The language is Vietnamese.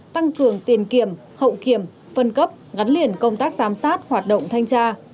tăng cường tiền kiểm hậu kiểm phân cấp gắn liền công tác giám sát hoạt động thanh tra